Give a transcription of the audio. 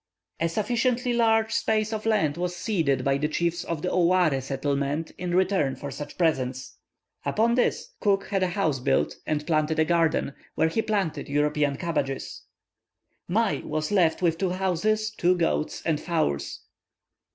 A sufficiently large space of land was ceded by the chiefs of the Ouare settlement in return for such presents. Upon this Cook had a house built, and planted a garden, where he planted European cabbages. Mai was left with two houses, two goats, and fowls.